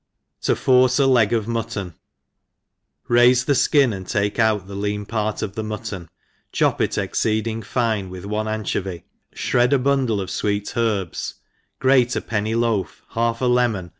Ho force a Leg ^Mutton. RAISE the fkin and take out the lean part of the mutton, chop it exceeding fine, with ont anchovy, fhred a bundle of fweet herbs, grate a penny loaf, half a lemon